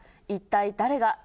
一体誰が？